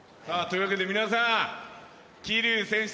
さあというわけで皆さん。